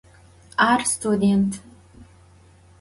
Ar sutudent.